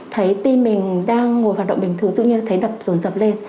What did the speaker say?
thấy tim mình đang ngồi hoạt động bình thường tự nhiên thấy đập dồn dập lên